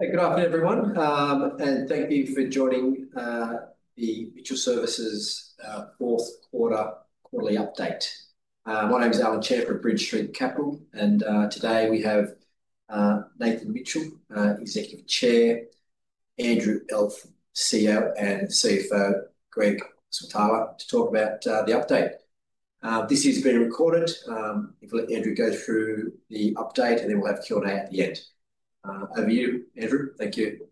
Good afternoon, everyone, and thank you for joining the Mitchell Services fourth quarter quarterly update. My name is Alan Chair at Bridge Street Capital Partners, and today we have Nathan Mitchell, Executive Chair, Andrew Elf, CEO and CFO Greg Switala to talk about the update. This is being recorded. I'm going to let Andrew go through the update, and then we'll have Q&A at the end. Over to you, Andrew, thank you.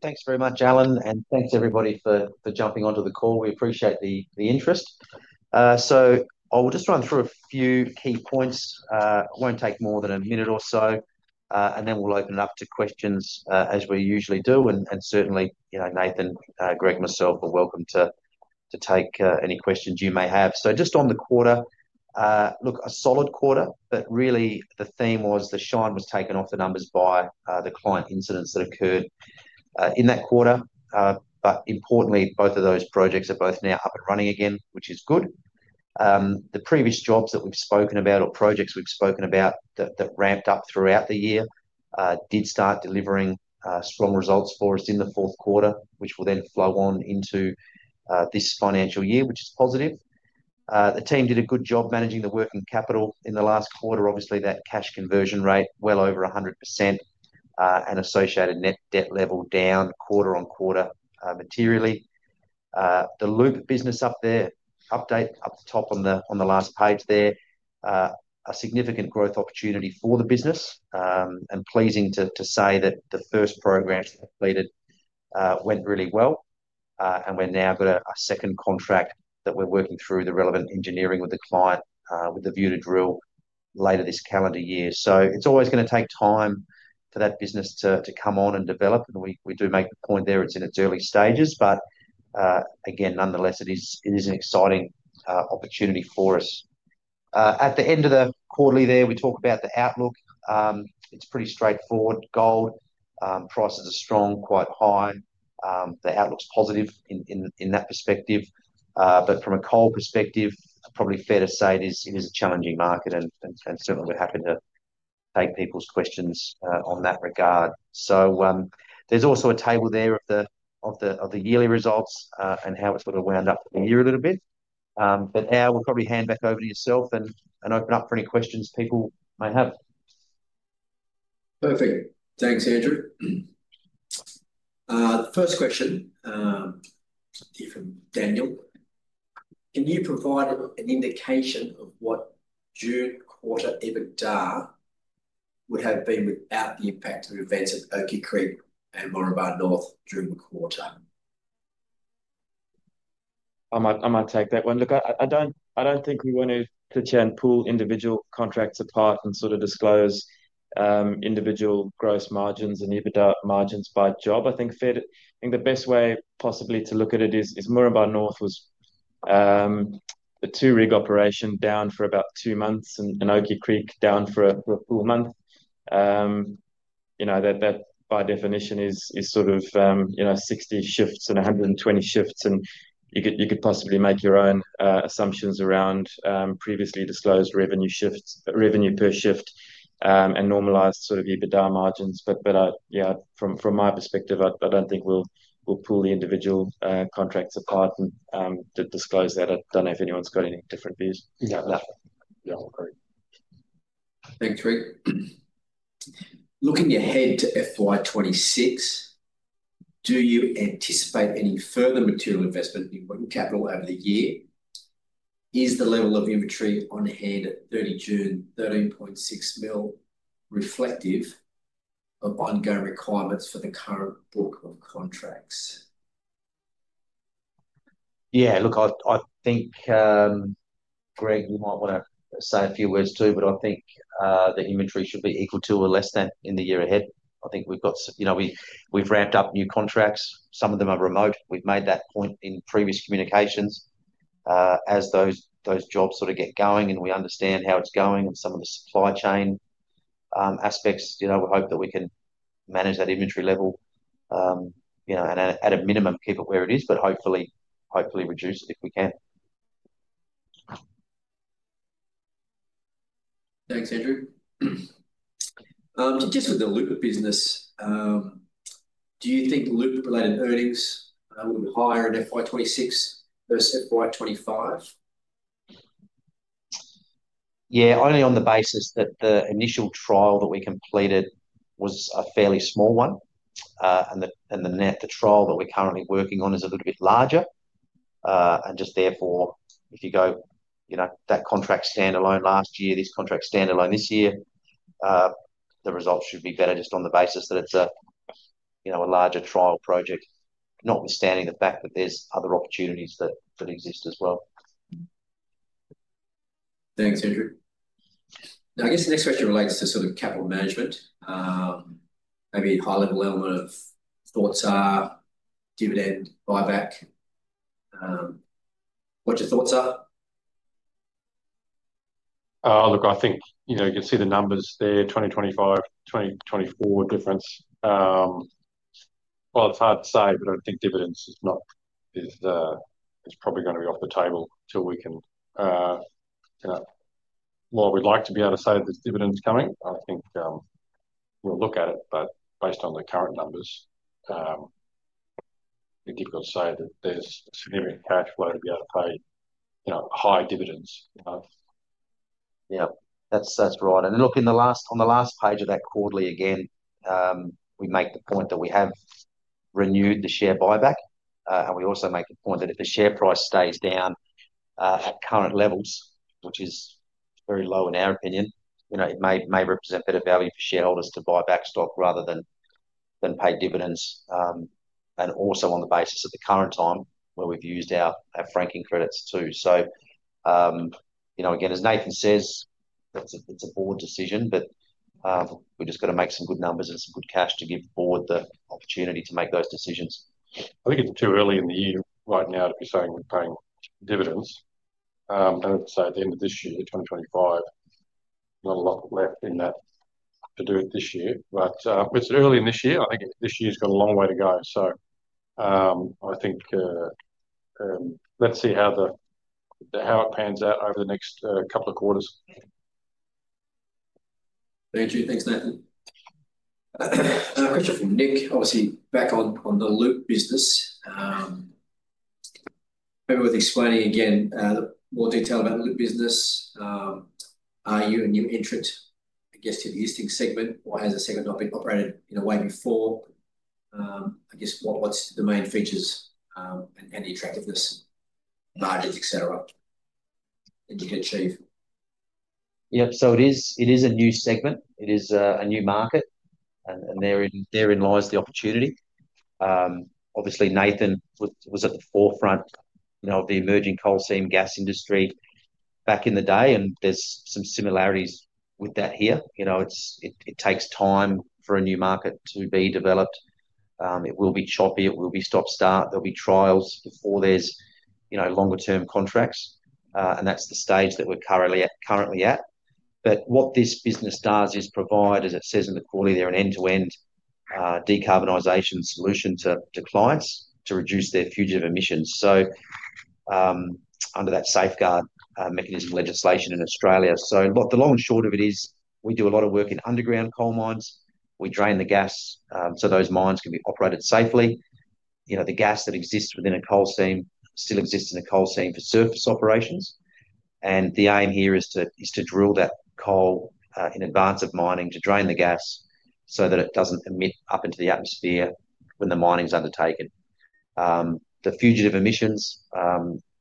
Thanks very much, Alan, and thanks everybody for jumping onto the call. We appreciate the interest. I will just run through a few key points. It won't take more than a minute or so, and then we'll open it up to questions, as we usually do. Certainly, you know, Nathan, Greg, and myself are welcome to take any questions you may have. Just on the quarter, look, a solid quarter, but really the theme was the shine was taken off the numbers by the client incidents that occurred in that quarter. Importantly, both of those projects are now up and running again, which is good. The previous jobs that we've spoken about or projects we've spoken about that ramped up throughout the year did start delivering strong results for us in the fourth quarter, which will then flow on into this financial year, which is positive. The team did a good job managing the working capital in the last quarter. Obviously, that cash conversion rate well over 100%, and associated net debt level down quarter on quarter, materially. The Loop business update up the top on the last page there, a significant growth opportunity for the business, and pleasing to say that the first programs completed went really well. We're now got a second contract that we're working through the relevant engineering with the client, with the view to drill later this calendar year. It's always going to take time for that business to come on and develop. We do make the point there it's in its early stages, but, again, nonetheless, it is an exciting opportunity for us. At the end of the quarterly there, we talk about the outlook. It's pretty straightforward. Gold prices are strong, quite high. The outlook's positive in that perspective. From a coal perspective, probably fair to say it is a challenging market, and certainly we're happy to take people's questions on that regard. There's also a table there of the yearly results, and how it's going to wound up the year a little bit. Al, we'll probably hand back over to yourself and open up for any questions people may have. Perfect. Thanks, Andrew. The first question, for Daniel. Can you provide an indication of what June quarter EBITDA would have been without the impact of events at Oaky Creek and Lorimier North during the quarter? I might take that one. Look, I don't think we wanted to try and pull individual contracts apart and sort of disclose individual gross margins and EBITDA margins by job. I think the best way possibly to look at it is Lorimier North was a two-rig operation down for about two months and Oaky Creek down for a full month. You know, that by definition is sort of 60 shifts and 120 shifts, and you could possibly make your own assumptions around previously disclosed revenue per shift and normalize sort of EBITDA margins. From my perspective, I don't think we'll pull the individual contracts apart and disclose that. I don't know if anyone's got any different views. Yeah, no. Thanks, Greg. Looking ahead to FY 2026, do you anticipate any further material investment in working capital over the year? Is the level of inventory on hand at 30 June, $13.6 million, reflective of ongoing requirements for the current bulk of contracts? Yeah, look, I think, Greg, you might want to say a few words too, but I think the inventory should be equal to or less than in the year ahead. I think we've got, you know, we've ramped up new contracts. Some of them are remote. We've made that point in previous communications, as those jobs sort of get going, and we understand how it's going and some of the supply chain aspects. We hope that we can manage that inventory level, and at a minimum, keep it where it is, but hopefully reduce if we can. Thanks, Andrew. Just with the Loop business, do you think loop-related earnings will be higher in FY 2026 versus FY 2025? Yeah, only on the basis that the initial trial that we completed was a fairly small one, and the trial that we're currently working on is a little bit larger. Therefore, if you go, you know, that contract standalone last year, this contract standalone this year, the results should be better just on the basis that it's a, you know, a larger trial project, notwithstanding the fact that there's other opportunities that exist as well. Thanks, Andrew. I guess the next question relates to sort of capital management. Maybe high-level element of thoughts are dividend buyback. What your thoughts are? I think, you know, you can see the numbers there, 2025, 2024 difference. It's hard to say, but I think dividends is not is the it's probably going to be off the table till we can, you know, while we'd like to be able to say that this dividend's coming, I think, we'll look at it. Based on the current numbers, it's difficult to say that there's significant cash flow to be able to pay, you know, high dividends. Yeah, that's right. In the last, on the last page of that quarterly again, we make the point that we have renewed the share buyback, and we also make the point that if the share price stays down at current levels, which is very low in our opinion, it may represent better value for shareholders to buy back stock rather than pay dividends. Also, on the basis of the current time where we've used our Franking credits too. As Nathan says, that's a board decision, but we just got to make some good numbers and some good cash to give the board the opportunity to make those decisions. I think it's too early in the year right now to be saying we're paying dividends. I'd say at the end of this year, 2025, there's not a lot left in that to do it this year. We're too early in this year. I think this year's got a long way to go. I think, let's see how it pans out over the next couple of quarters. Thank you. Thanks, Nathan. A question from Nick, obviously back on the Loop business. Maybe worth explaining again, more detail about the Loop business. Are you a new entrant, I guess, to the existing segment, or has the segment not been operated in a way before? I guess what's the main features, and the attractiveness, markets, etc., that you can achieve? Yeah. It is a new segment. It is a new market, and therein lies the opportunity. Obviously, Nathan was at the forefront, you know, of the emerging coal seam gas industry back in the day, and there's some similarities with that here. It takes time for a new market to be developed. It will be choppy. It will be stop-start. There'll be trials before there's longer-term contracts, and that's the stage that we're currently at. What this business does is provide, as it says in the quarterly, an end-to-end decarbonization solution to clients to reduce their fugitive emissions under that Safeguard Mechanism legislation in Australia. The long and short of it is, we do a lot of work in underground coal mines. We drain the gas so those mines can be operated safely. The gas that exists within a coal seam still exists in a coal seam for surface operations. The aim here is to drill that coal in advance of mining to drain the gas so that it doesn't emit up into the atmosphere when the mining's undertaken. The fugitive emissions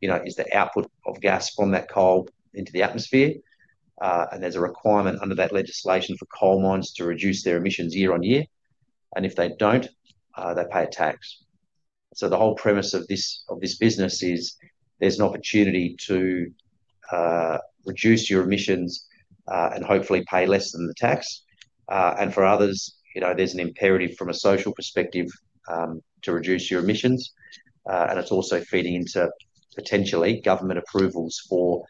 is the output of gas from that coal into the atmosphere, and there's a requirement under that legislation for coal mines to reduce their emissions year on year. If they don't, they pay a tax. The whole premise of this business is there's an opportunity to reduce your emissions, and hopefully pay less than the tax. For others, there's an imperative from a social perspective to reduce your emissions, and it's also feeding into potentially government approvals for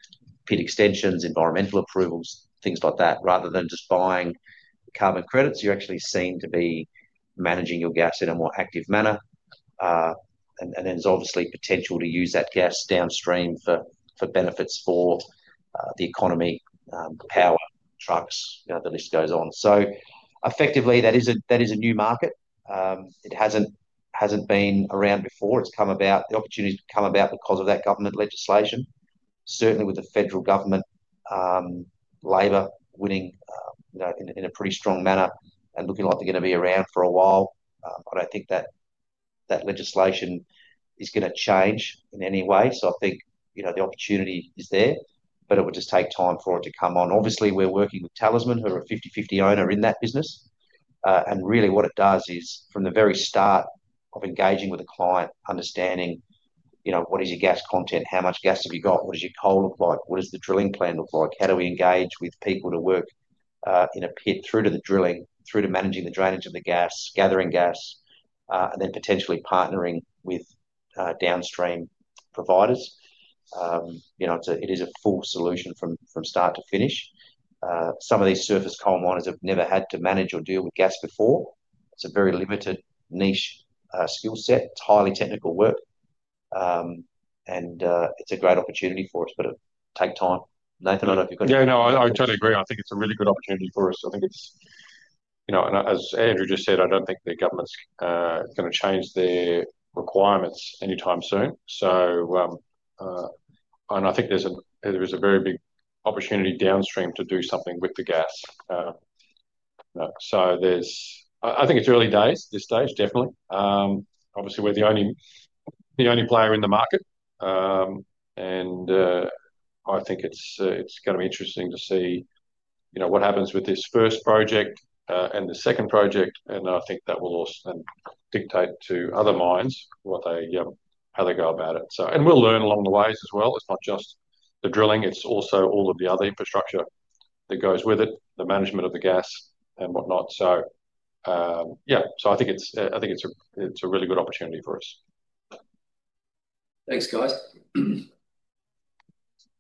PID extensions, environmental approvals, things like that. Rather than just buying carbon credits, you're actually seen to be managing your gas in a more active manner. There's obviously potential to use that gas downstream for benefits for the economy, power, trucks, the list goes on. Effectively, that is a new market. It hasn't been around before. The opportunity has come about because of that government legislation. Certainly with the federal government, Labor winning, you know, in a pretty strong manner and looking like they're going to be around for a while, I don't think that that legislation is going to change in any way. I think, you know, the opportunity is there, but it would just take time for it to come on. Obviously, we're working with Talisman, who are a 50/50 owner in that business. Really what it does is from the very start of engaging with a client, understanding, you know, what is your gas content, how much gas have you got, what does your coal look like, what does the drilling plan look like, how do we engage with people to work in a pit through to the drilling, through to managing the drainage of the gas, gathering gas, and then potentially partnering with downstream providers. You know, it is a full solution from start to finish. Some of these surface coal miners have never had to manage or deal with gas before. It's a very limited niche skill set. It's highly technical work, and it's a great opportunity for us, but it'll take time. Nathan, I don't know if you've got it. Yeah, no, I totally agree. I think it's a really good opportunity for us. I think it's, you know, and as Andrew just said, I don't think the government's going to change their requirements anytime soon. I think there's a very big opportunity downstream to do something with the gas. I think it's early days at this stage, definitely. Obviously, we're the only player in the market, and I think it's going to be interesting to see what happens with this first project and the second project. I think that will also then dictate to other mines how they go about it. We'll learn along the way as well. It's not just the drilling, it's also all of the other infrastructure that goes with it, the management of the gas and whatnot. I think it's a really good opportunity for us. Thanks, guys.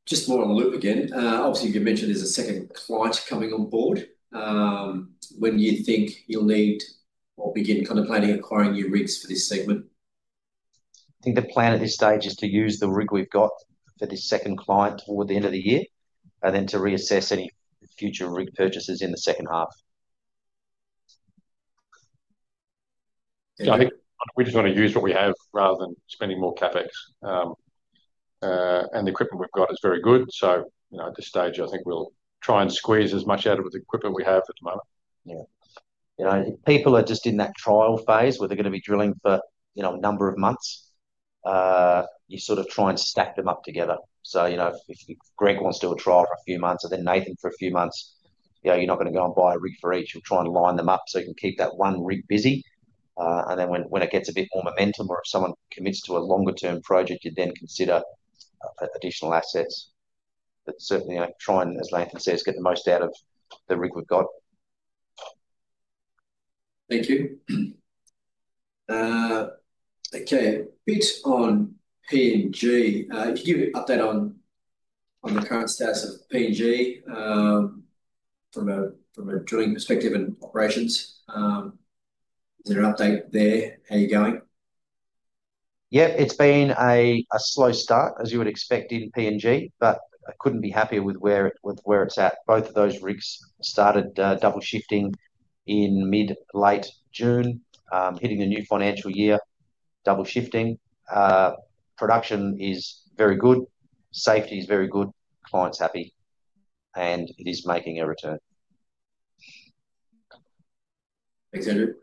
Just more on the loop again. Obviously, you mentioned there's a second client coming on board. When do you think you'll need to begin contemplating acquiring new rigs for this segment? I think the plan at this stage is to use the rig we've got for this second client toward the end of the year, and then to reassess any future rig purchases in the second half. Yeah, I think we just want to use what we have rather than spending more CapEx. The equipment we've got is very good. At this stage, I think we'll try and squeeze as much out of the equipment we have at the moment. Yeah. You know, if people are just in that trial phase where they're going to be drilling for, you know, a number of months, you sort of try and stack them up together. If Greg wants to do a trial for a few months and then Nathan for a few months, you're not going to go and buy a rig for each. You'll try and line them up so you can keep that one rig busy. When it gets a bit more momentum or if someone commits to a longer-term project, you then consider additional assets. Certainly, try and, as Nathan says, get the most out of the rig we've got. Thank you. Okay. A bit on PNG. Can you give an update on the current status of PNG from a drilling perspective and operations? Is there an update there? How are you going? Yeah. It's been a slow start, as you would expect in PNG, but I couldn't be happier with where it's at. Both of those rigs started double shifting in mid-late June, hitting the new financial year, double shifting. Production is very good. Safety is very good. Client's happy. It is making a return. Thanks, Andrew.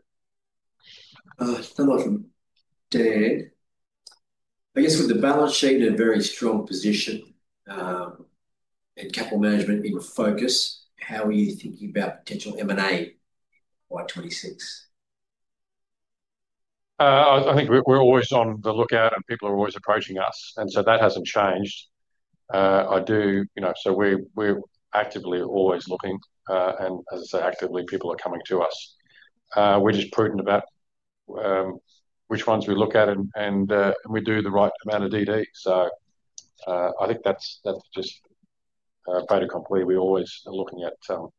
Someone from Dehr. I guess with the balance sheet in a very strong position, and capital management in focus, how are you thinking about potential M&A by 2026? I think we're always on the lookout and people are always approaching us. That hasn't changed. We're actively always looking, and as I say, actively, people are coming to us. We're just prudent about which ones we look at and we do the right amount of DD. I think that's just beta complete. We always are looking at some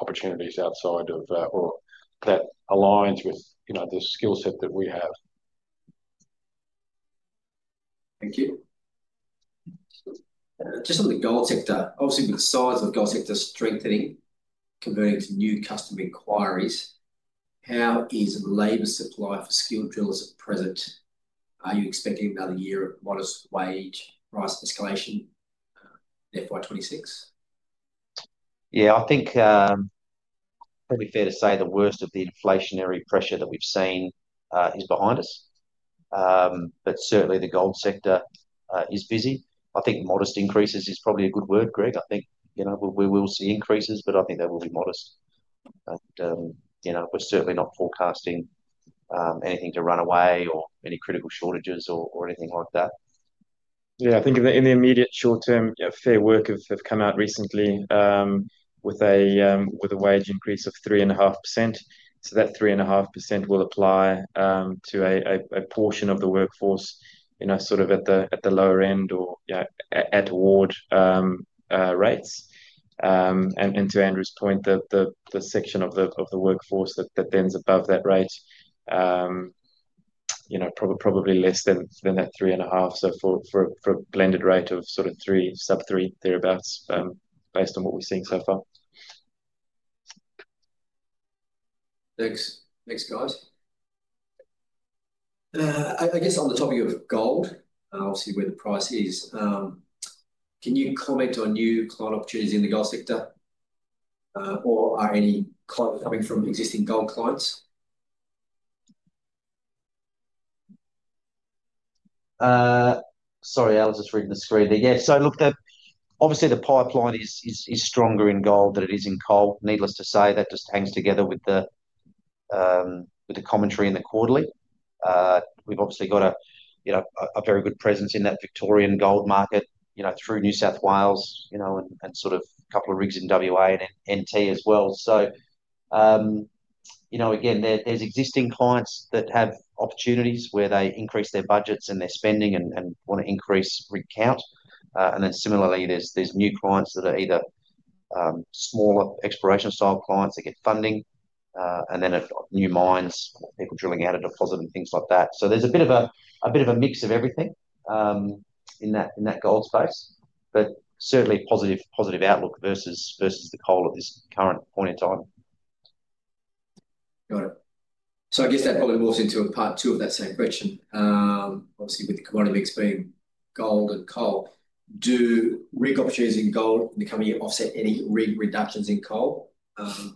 opportunities outside of, or that aligns with, the skill set that we have. Thank you. Just on the gold sector, obviously, with the size of gold sector strengthening, converting to new custom inquiries, how is labor supply for skilled drillers at present? Are you expecting another year of modest wage price escalation in FY 2026? Yeah, I think it's probably fair to say the worst of the inflationary pressure that we've seen is behind us. The gold sector is busy. I think modest increases is probably a good word, Greg. I think we will see increases, but I think they will be modest. We're certainly not forecasting anything to run away or any critical shortages or anything like that. Yeah, I think in the immediate short term, you know, Fair Work have come out recently with a wage increase of 3.5%. That 3.5% will apply to a portion of the workforce, you know, sort of at the lower end or, you know, at award rates. To Andrew's point, the section of the workforce that bends above that rate, you know, probably less than that 3.5%. For a blended rate of sort of three, sub-three, thereabouts, based on what we're seeing so far. Thanks. Next, guys. I guess on the topic of gold, and obviously where the price is, can you comment on new client opportunities in the gold sector? Or are any clients coming from existing gold clients? Sorry, I'll just read the screen again. That obviously the pipeline is stronger in gold than it is in coal. Needless to say, that just hangs together with the commentary in the quarterly. We've obviously got a very good presence in that Victorian gold market, through New South Wales, and sort of a couple of rigs in WA and NT as well. Again, there's existing clients that have opportunities where they increase their budgets and their spending and want to increase rig count. Similarly, there's new clients that are either smaller exploration style clients that get funding, and then at new mines, people drilling out a deposit and things like that. There's a bit of a mix of everything in that gold space. Certainly a positive outlook versus the coal at this current point in time. Got it. I guess that probably morphs into a part two of that same question. Obviously, with the commodity mix being gold and coal, do rig opportunities in gold in the coming year offset any rig reductions in coal? The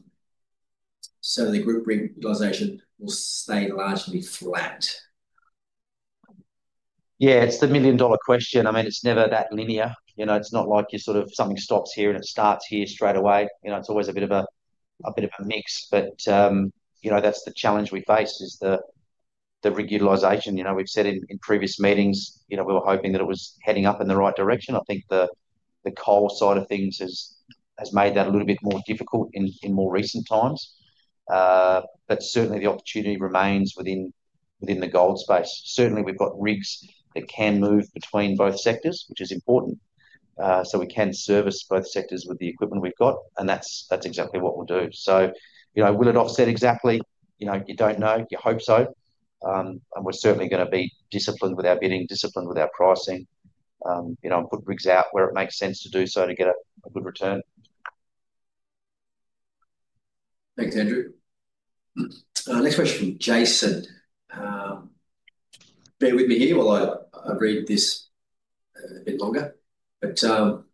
group realization will stay largely flat. It's the million-dollar question. I mean, it's never that linear. It's not like something stops here and it starts here straight away. It's always a bit of a mix. That's the challenge we face, the rig utilization. We've said in previous meetings we were hoping that it was heading up in the right direction. I think the coal side of things has made that a little bit more difficult in more recent times, but certainly the opportunity remains within the gold space. We've got rigs that can move between both sectors, which is important, so we can service both sectors with the equipment we've got. That's exactly what we'll do. Will it offset exactly? You don't know. You hope so, and we're certainly going to be disciplined with our bidding, disciplined with our pricing, and put rigs out where it makes sense to do so to get a good return. Thanks, Andrew. Next question for Jason. Bear with me here while I read this a bit longer. As of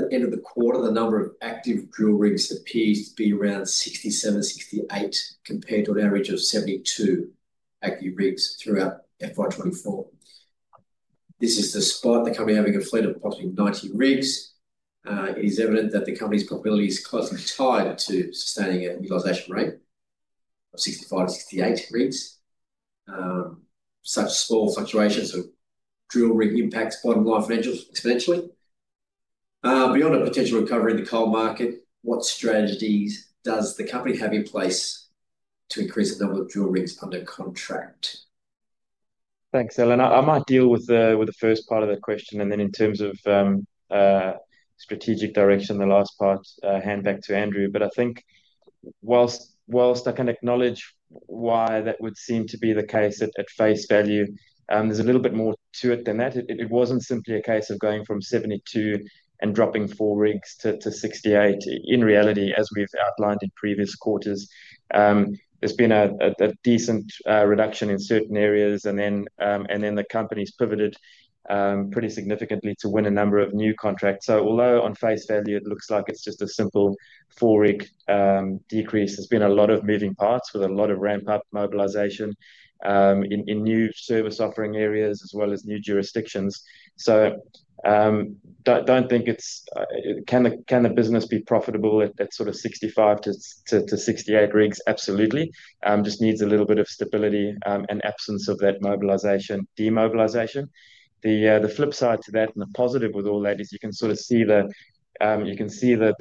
the end of the quarter, the number of active drill rigs appears to be around 67, 68 compared to an average of 72 active rigs throughout FY 2024. This is despite the company having a fleet of approximately 90 rigs. It is evident that the company's profitability is closely tied to sustaining a utilization rate of 65-68 rigs. Such small fluctuations of drill rig impacts bottom line financials exponentially. Beyond a potential recovery in the coal market, what strategies does the company have in place to increase the number of drill rigs under contract? Thanks, Alan. I might deal with the first part of that question. In terms of strategic direction, the last part, hand back to Andrew. I think whilst I can acknowledge why that would seem to be the case at face value, there's a little bit more to it than that. It wasn't simply a case of going from 72 and dropping four rigs to 68. In reality, as we've outlined in previous quarters, there's been a decent reduction in certain areas. The company's pivoted pretty significantly to win a number of new contracts. Although on face value, it looks like it's just a simple four-rig decrease, there's been a lot of moving parts with a lot of ramp-up mobilization in new service offering areas as well as new jurisdictions. Don't think it's can the business be profitable at sort of 65-68 rigs? Absolutely. It just needs a little bit of stability, and absence of that mobilization, demobilization. The flip side to that and the positive with all that is you can sort of see the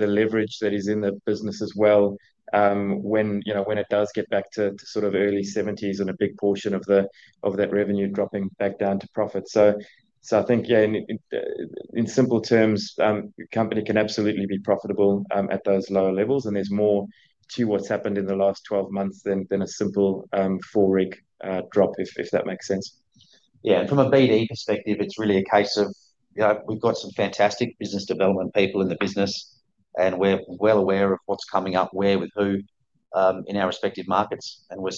leverage that is in the business as well, when it does get back to sort of early 70s and a big portion of that revenue dropping back down to profits. I think, in simple terms, the company can absolutely be profitable at those lower levels. There's more to what's happened in the last 12 months than a simple four-rig drop if that makes sense. Yeah, and from a BD perspective, it's really a case of, you know, we've got some fantastic business development people in the business, and we're well aware of what's coming up, where, with who, in our respective markets. We've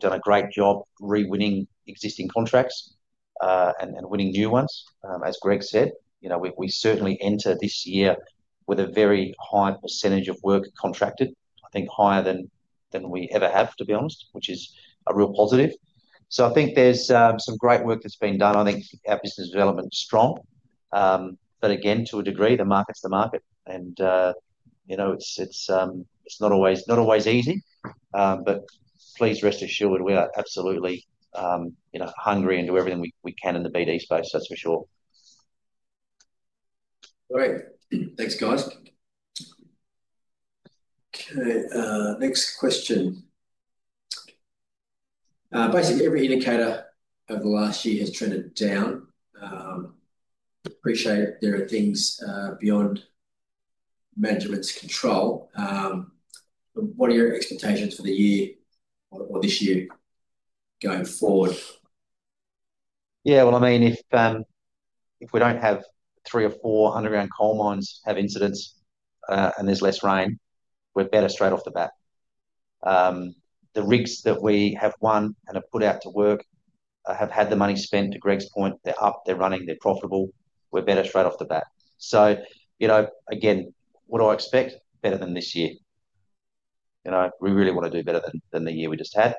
done a great job rewinning existing contracts and winning new ones. As Greg said, we certainly enter this year with a very high percentage of work contracted. I think higher than we ever have, to be honest, which is a real positive. I think there's some great work that's being done. I think our business development is strong. Again, to a degree, the market's the market. It's not always easy. Please rest assured we are absolutely, you know, hungry and do everything we can in the BD space. That's for sure. Thanks, guys. Next question. Basically, every indicator over the last year has turned into doubt. I appreciate there are things beyond management's control. What are your expectations for the year or this year going forward? If we don't have three or four underground coal mines have incidents and there's less rain, we're better straight off the bat. The rigs that we have won and have put out to work have had the money spent. To Greg's point, they're up, they're running, they're profitable. We're better straight off the bat. You know, again, what do I expect? Better than this year. We really want to do better than the year we just had.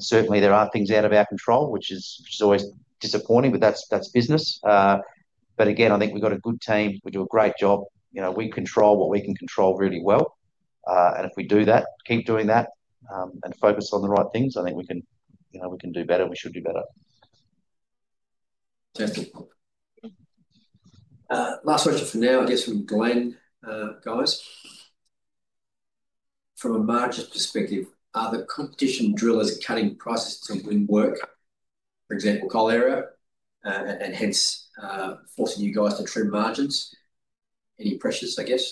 Certainly, there are things out of our control, which is always disappointing, but that's business. I think we've got a good team. We do a great job. We control what we can control really well. If we do that, keep doing that, and focus on the right things, I think we can, you know, we can do better and we should do better. Fantastic. Last question for now, I guess from Glen, guys. From a margin perspective, are the competition drillers cutting prices to do work, for example, coal area? Hence, forcing you guys to trim margins. Any pressures, I guess,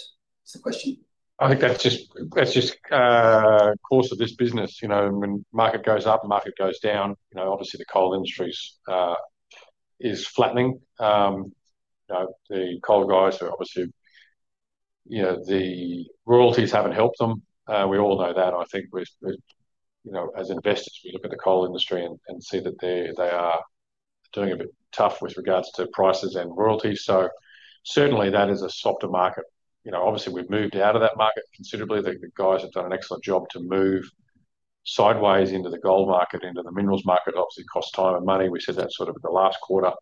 is the question? I think that's just the course of this business. You know, when the market goes up, the market goes down. Obviously, the coal industry is flattening. The coal guys are obviously, you know, the royalties haven't helped them. We all know that. I think we're, as investors, we look at the coal industry and see that they are doing a bit tough with regards to prices and royalties. That is a softer market. Obviously, we've moved out of that market considerably. The guys have done an excellent job to move sideways into the gold market, into the minerals market. Obviously, it costs time and money. We said that in the last quarter.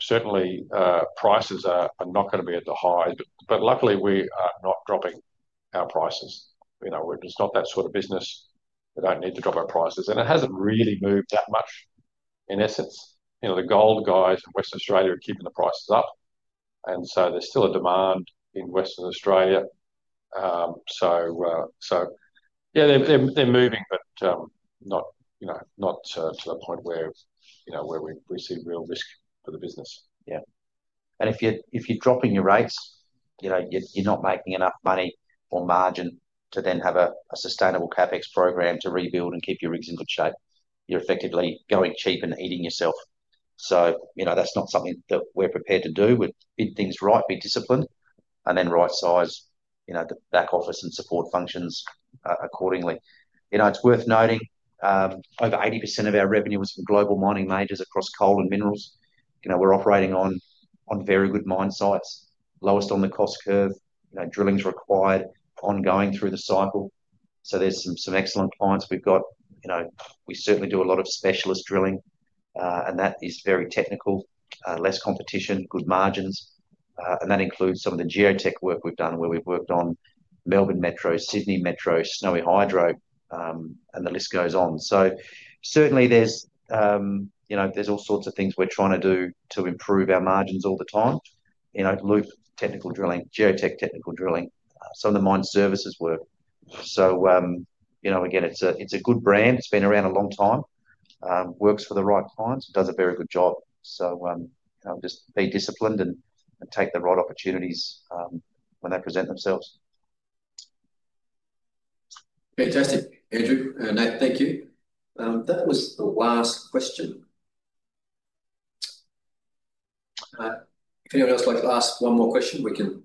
Certainly, prices are not going to be at the highs. Luckily, we are not dropping our prices. We're just not that sort of business. We don't need to drop our prices, and it hasn't really moved that much in essence. The gold guys in Western Australia are keeping the prices up, and so there's still a demand in Western Australia. They're moving, but not to the point where we see real risk for the business. Yeah. If you're dropping your rates, you're not making enough money or margin to then have a sustainable CapEx program to rebuild and keep your rigs in good shape. You're effectively going cheap and eating yourself. That's not something that we're prepared to do. We're doing things right, be disciplined, and then right-size that office and support functions accordingly. It's worth noting, over 80% of our revenue is for global mining majors across coal and minerals. We're operating on very good mine sites, lowest on the cost curve, drilling's required ongoing through the cycle. There are some excellent clients we've got. We certainly do a lot of specialist drilling, and that is very technical, less competition, good margins. That includes some of the geotech work we've done where we've worked on Melbourne Metro, Sydney Metro, Snowy Hydro, and the list goes on. There are all sorts of things we're trying to do to improve our margins all the time. Loop technical drilling, geotech technical drilling, some of the mine services work. Again, it's a good brand. It's been around a long time, works for the right clients, does a very good job. Just be disciplined and take the right opportunities when they present themselves. Fantastic, Andrew. Nat, thank you. That was the last question. If anyone else would like to ask one more question, we can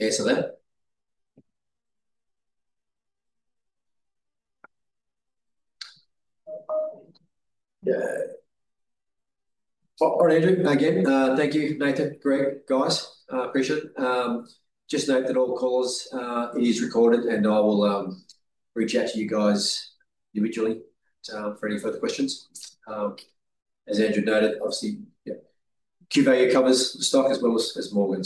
answer that. All right, Andrew. Again, thank you, Nathan. Great, guys. I appreciate it. Just note that all calls are recorded, and I will reach out to you guys individually for any further questions. As Andrew noted, obviously, QVA covers the stock as well as Morgan.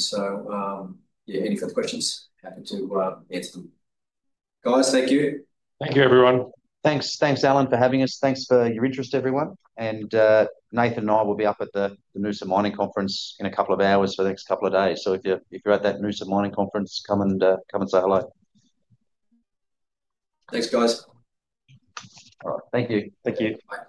Any further questions, happy to answer them. Guys, thank you. Thank you, everyone. Thanks. Thanks, Alan, for having us. Thanks for your interest, everyone. Nathan and I will be up at the Noosa Mining Conference in a couple of hours for the next couple of days. If you're at that Noosa Mining Conference, come and say hello. Thanks, guys. All right. Thank you. Thank you.